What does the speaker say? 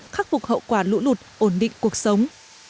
khắc phục hậu quả lũ lụt ổn định cuộc sống